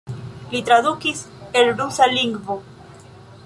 Li tradukis el rusa lingvo.